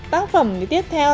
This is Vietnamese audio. tác phẩm tiếp theo